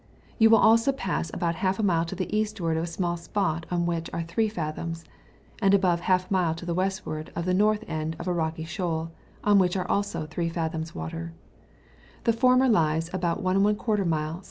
You will also pass about half a mile to the eastward of a small spot on which are 3 fathoms ; and above half a mile to the westward of the north end of a rocky shoal^ on which are also 3 fathoms water; the former lies about 1^ mile S.S.